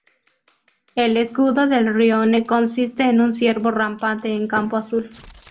El escudo del "rione" consiste en un ciervo rampante en campo azul.